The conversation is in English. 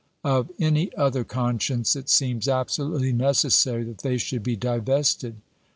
Of any other conscience it seems absolutely necessary that they should be divested.